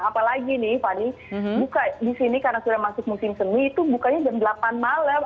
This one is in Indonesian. apalagi nih fani buka di sini karena sudah masuk musim seni itu bukanya jam delapan malam